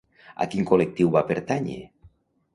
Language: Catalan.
A quin col·lectiu va pertànyer?